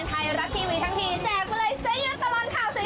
บ๊ายบายค่ะ